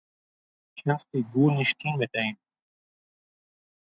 קענסטו גארנישט טון מיט אים